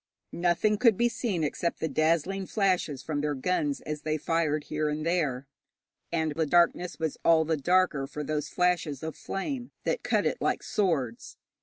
Nothing could be seen except the dazzling flashes from their guns as they fired here and there, and the darkness was all the darker for those flashes of flame, that cut it like swords.